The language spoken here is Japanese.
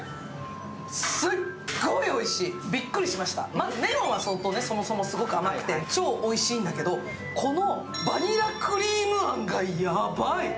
まずメロンはそもそもすごく甘くて超おいしいんだけどこのバニラクリームあんがヤバい。